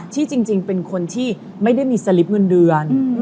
ที่จริงเป็นคนที่ไม่ได้มีสลิปเงินเดือน